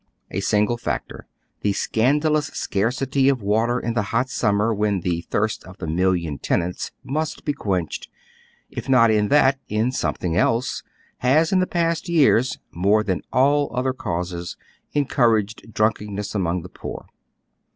A single factor, the scandalous scarcity of water in the hot ennmier when the thii st of the million tenants must he quenched, if not in that in something else, has in the past years more than all other causes en couraged drunkenness among the poor.